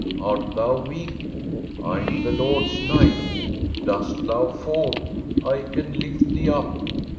Art thou weak ? I am the Lord's knight. Dost thou fall? I can lift thee up.